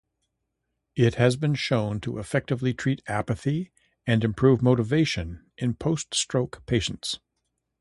It has been shown to effectively treat apathy and improve motivation in post-stroke patients.